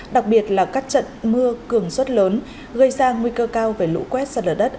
đặc biệt là các trận mưa cường suất lớn gây ra nguy cơ cao về lũ quét sạt lở đất